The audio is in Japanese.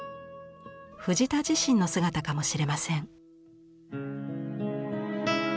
藤田自身の姿かもしれません。